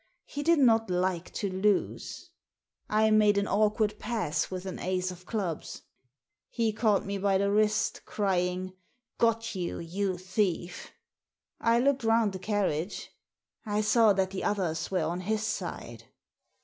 He did not like to lose. I made an awkward pass with an ace of clubs. He caught me by the wrist, crying, Digitized by VjOOQIC A PACK OF CARDS 83 *Got you, you thief!' I looked round the carriage. I saw that the others were on his side.